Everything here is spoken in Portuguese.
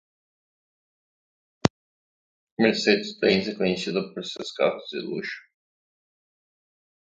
Mercedes-Benz é conhecida por seus carros de luxo.